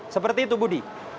seperti itu budi